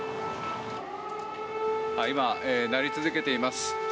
今、鳴り続けています。